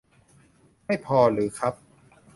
ไม่พอหรือครับ